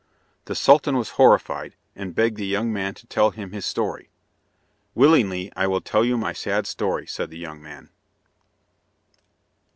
The Sultan was horrified, and begged the young man to tell him his story. "Willingly I will tell you my sad history," said the young man.